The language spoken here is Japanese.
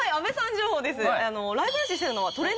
情報です。